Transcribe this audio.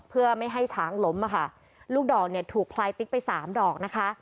เพื่อไม่ให้ช้างล้มอ่ะค่ะลูกดอกเนี่ยถูกพลายติ๊กไปสามดอกนะคะ